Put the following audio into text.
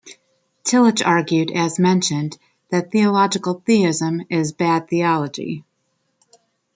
Tillich argued, as mentioned, that theological theism is "bad theology".